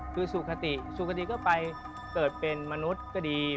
คือสุขติสุขติก็ไปเกิดเป็นมนุษย์ก็ดี